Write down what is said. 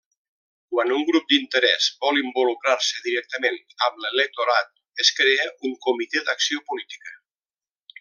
Quan un grup d'interès vol involucrar-se directament amb l'electorat, es crea un comitè d'acció política.